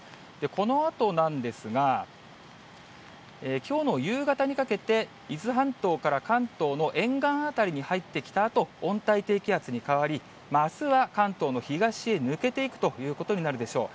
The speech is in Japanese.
このあとなんですが、きょうの夕方にかけて、伊豆半島から関東の沿岸辺りに入ってきたあと、温帯低気圧に変わり、あすは関東の東へ抜けていくということになるでしょう。